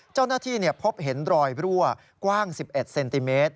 เจ้าหน้าที่พบเห็นรอยรั่วกว้าง๑๑เซนติเมตร